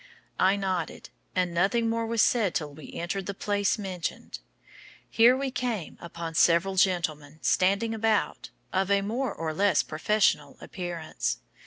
I nodded, and nothing more was said till we entered the place mentioned. Here we came upon several gentlemen, standing about, of a more or less professional appearance.